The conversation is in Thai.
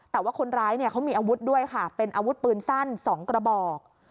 แต่ว่าคนร้ายเนี่ยเขามีอาวุธด้วยค่ะเป็นอาวุธปืนสั้น๒กระบอก